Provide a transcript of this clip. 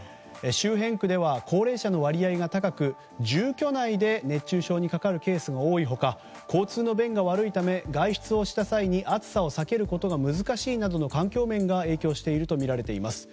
周辺区では高齢者の割合が高く住居内で熱中症にかかるケースが多い他交通の便が悪いため外出をした際に暑さを避けるのが難しいなどの環境面が影響しているとみられています。